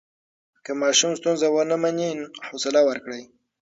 که ماشوم ستونزه ونه مني، حوصله ورکړئ.